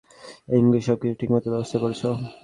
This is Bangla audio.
ইংলিশ, সবকিছু ঠিকমতো ব্যবস্থা করেছ?